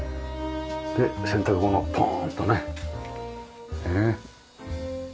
で洗濯物ポーンッとねねっ。